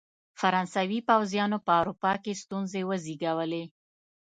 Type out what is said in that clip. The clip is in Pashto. فرانسوي پوځیانو په اروپا کې ستونزې وزېږولې.